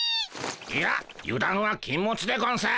いや油断は禁物でゴンス。